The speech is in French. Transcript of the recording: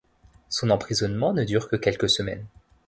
Son emprisonnement ne dure que quelques semaines.